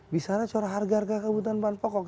bicara soal harga harga kebutuhan bahan pokok